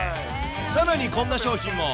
さらにこんな商品も。